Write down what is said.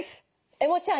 エモちゃん